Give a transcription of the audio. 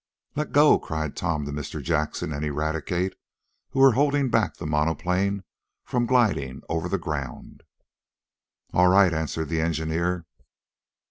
"Let go!" cried Tom to Mr. Jackson and Eradicate, who were holding back the monoplane from gliding over the ground. "All right," answered the engineer.